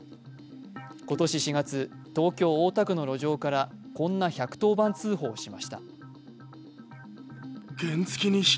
今年４月、東京・大田区の路上からこんな１１０番通報をしました。